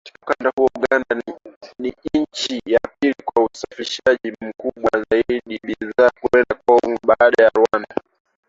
Katika ukanda huo, Uganda ni nchi ya pili kwa usafirishaji mkubwa zaidi wa bidhaa kwenda Kongo, baada ya Rwanda.